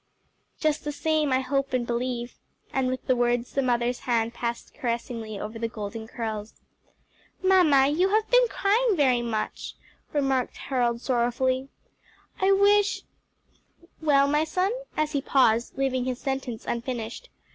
"Just the same, I hope and believe;" and with the words the mother's hand passed caressingly over the golden curls. "Mamma, you have been crying very much," remarked Harold sorrowfully. "I wish " "Well, my son?" as he paused, leaving his sentence unfinished.